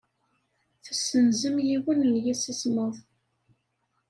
Tessenzem yiwen n yemsismeḍ.